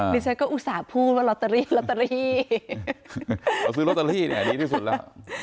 ดิฉันก็อุตส่าห์พูดว่าลอตเตอรี่ลอตเตอรี่เราซื้อลอตเตอรี่เนี่ยดีที่สุดแล้ว